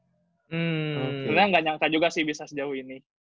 akhirnya gak nyangka juga sih bisa sejauh ini